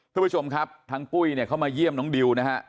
ท่านผู้ชมครับทางปุ้ยเข้ามาเยี่ยมน้องดิวนะฮะ